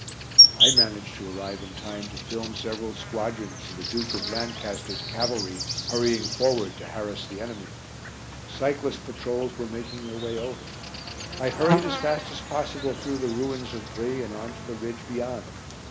I managed to arrive in time to film several squadrons of the Duke of Lancaster's cavalry hurrying forward to harass the enemy. Cyclist patrols were making their way over. I hurried as fast as possible through the ruins of Brie and on to the ridge beyond.